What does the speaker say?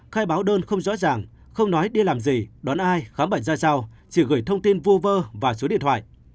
khai báo đơn không rõ ràng không nói đi làm gì đón ai khám bệnh ra sao chỉ gửi thông tin vô vơ và số điện thoại